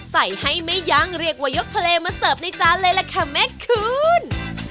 ใส่ให้ไม่ยั้งเรียกว่ายกทะเลมาเสิร์ฟในจานเลยล่ะค่ะแม่คุณ